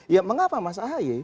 ya mengapa mas ahi